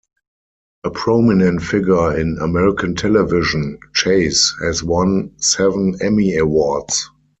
A prominent figure in American television, Chase has won seven Emmy Awards.